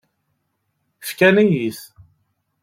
Fkan-iyi-t.